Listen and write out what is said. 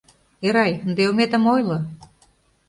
Эрай, ынде ометым ойло.